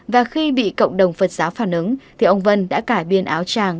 và khi bị cộng đồng phật giáo phản ứng thì ông vân đã cải biên áo tràng